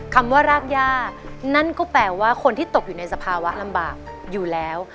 คำว่ารากย่านั่นก็แปลว่าคนที่ตกอยู่ในสภาวะลำบากอยู่แล้ว